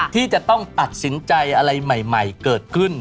ที่จะต้องตัดสินใจอะไรใหม่เกิดขึ้น